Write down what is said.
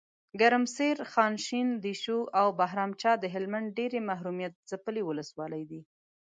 ګرمسیر، خانشین، دیشو اوبهرامچه دهلمند ډیري محرومیت ځپلي ولسوالۍ دي .